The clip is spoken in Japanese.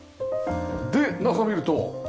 で中を見ると。